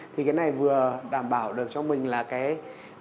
thì cái này vừa đảm bảo được cho mình là cái